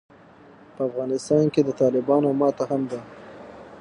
په افغانستان کې د طالبانو ماته هم ده.